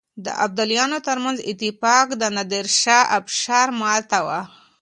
د ابدالیانو ترمنځ اتفاق د نادرافشار ماته وه.